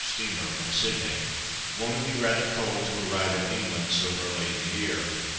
steamer from Sydney." "Won't it be rather cold to arrive in England so early in the year?"